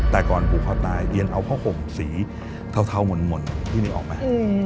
แต่ก่อนผูกคอตายเรียนเอาผ้าห่มสีเทาหม่นพี่นึกออกไหม